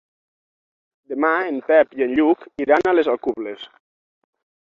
Demà en Pep i en Lluc iran a les Alcubles.